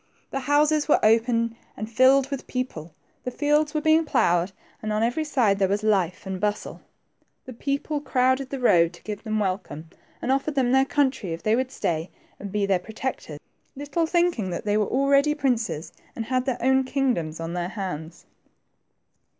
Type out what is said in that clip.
The houses were open and filled with people, the fields were being ploughed, and on every side there was life and bustle. The people crowded the road to give them welcome, and offered them their country if they would stay and be their protectors, little thinking they were already princes and had their own kingdoms on their hands.